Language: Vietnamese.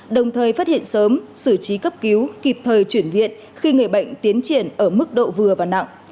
đồng thời phát hiện sớm xử trí cấp cứu kịp thời chuyển viện khi người bệnh tiến triển ở mức độ vừa và nặng